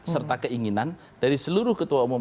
serta keinginan dari seluruh ketua umum